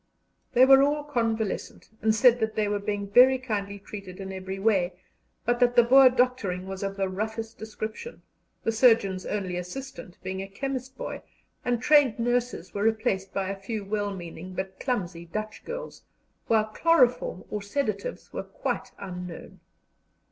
They were all convalescent, and said they were being very kindly treated in every way, but that the Boer doctoring was of the roughest description, the surgeon's only assistant being a chemist boy, and trained nurses were replaced by a few well meaning but clumsy Dutch girls, while chloroform or sedatives were quite unknown.